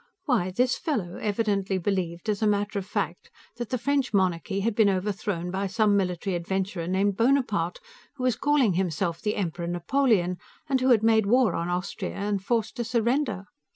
Why, this fellow evidently believed, as a matter of fact, that the French Monarchy had been overthrown by some military adventurer named Bonaparte, who was calling himself the Emperor Napoleon, and who had made war on Austria and forced a surrender.